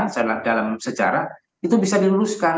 dan kemudian dalam sejarah itu bisa diluruskan